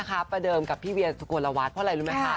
ภาพนี้กับปีเวียสุโกรหวาน